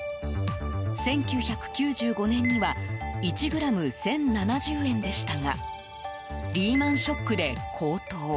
１９９５年には１ｇ＝１０７０円でしたがリーマン・ショックで高騰。